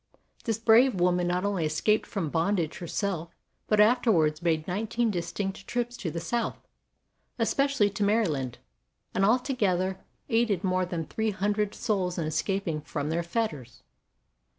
This brave woman not only escaped from bondage her self, but afterwards made nineteen distinct trips to the South, especially to Maryland, and altogether aided more than three hun dred souls in escaping from their fetters.